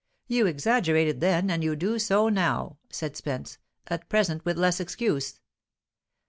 "You exaggerated then, and you do so now," said Spence; "at present with less excuse."